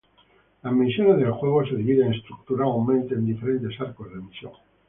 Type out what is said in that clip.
Las misiones del juego se dividen estructuralmente en diferentes arcos de misión.